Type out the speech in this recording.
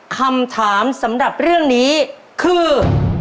คำถามสำหรับเรื่องนี้คือ